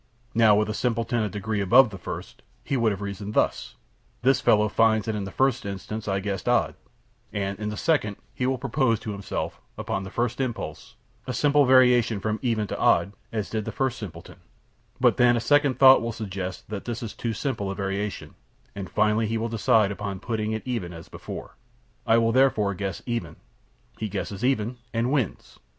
Now, with a simpleton a degree above the first, he would have reasoned thus; 'This fellow finds that in the first instance I guessed odd, and, in the second, he will propose to himself, upon the first impulse, a simple variation from even to odd, as did the first simpleton; but then a second thought will suggest that this is too simple a variation, and finally he will decide upon putting it even as before. I will therefore guess even'; he guesses even, and wins.